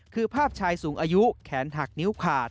คือภาพชายสูงอายุแขนหักนิ้วขาด